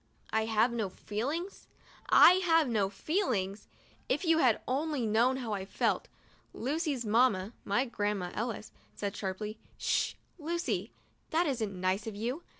1 have no feelings? I have no feelings? If you had only known how I felt ! Lucy's mamma (my Grandma Ellis) said, sharply, " 'Sh ! Lucy, that isn't nice of you.